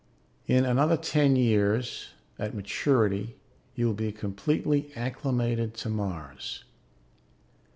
"In another ten years, at maturity, you will be completely acclimated to Mars.